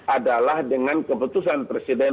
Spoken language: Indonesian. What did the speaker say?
adalah dengan keputusan presiden